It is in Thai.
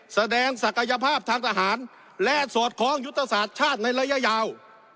แสดงศักยภาพทางทหารและสอดคล้องยุทธศาสตร์ชาติในระยะยาว